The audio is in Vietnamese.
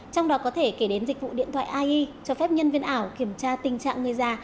trong đó có thể kể đến dịch vụ điện thoại ie cho phép nhân viên ảo kiểm tra tình trạng người già